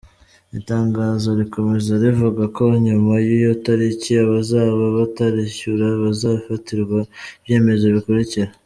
Itangazo rikomeza rivuga ko nyuma y’iyo tariki, abazaba batarishyura bazafatirwa ibyemezo bikurikira :.